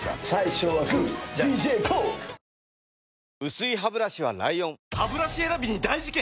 薄いハブラシは ＬＩＯＮハブラシ選びに大事件！